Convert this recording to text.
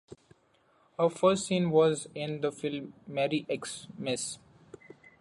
Her first scene was in the film "Merry X-Miss".